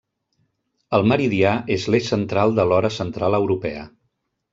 El meridià és l'eix central de l'Hora Central Europea.